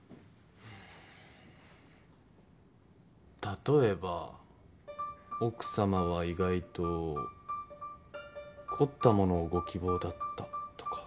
例えば奥様は意外と凝ったものをご希望だったとか？